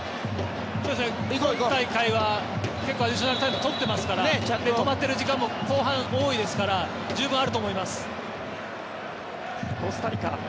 今大会は結構アディショナルタイム取ってますから止まっている時間も後半、多いですから十分あると思います。